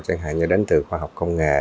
chẳng hạn như đến từ khoa học công nghệ